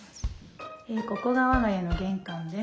ここが我が家の玄関です。